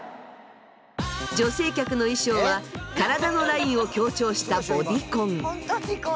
女性客の衣装は体のラインを強調したボディコン。